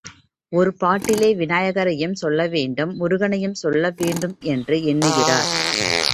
ஒரு பாட்டிலே விநாயகரையும் சொல்ல வேண்டும் முருகனையும் சொல்ல வேண்டும் என்று எண்ணுகிறார்.